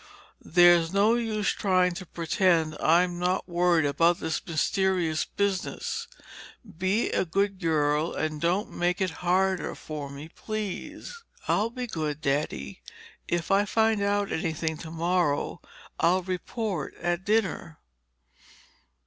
"There's no use trying to pretend I'm not worried about this mysterious business. Be a good girl and don't make it harder for me, please." "I'll be good, Daddy. If I find out anything tomorrow, I'll report at dinner."